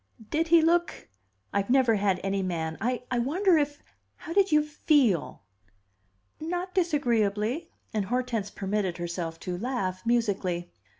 "Did he look I've never had any man I wonder if how did you feel?" "Not disagreeably." And Hortense permitted herself to laugh musically.